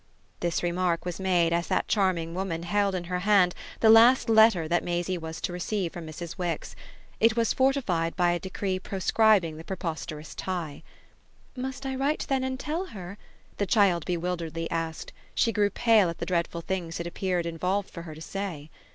This remark was made as that charming woman held in her hand the last letter that Maisie was to receive from Mrs. Wix; it was fortified by a decree proscribing the preposterous tie. "Must I then write and tell her?" the child bewilderedly asked: she grew pale at the dreadful things it appeared involved for her to say.